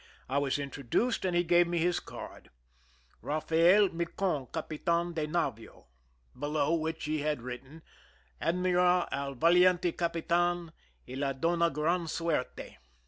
I was introduced, and he gave me his card: "Rafael Micon, Capitdn de Navio," below which he had written :" Admira al valiente capitan y le dona gran suerte."